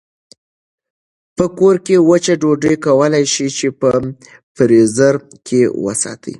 په کور کې وچه ډوډۍ کولای شئ چې په فریزر کې وساتئ.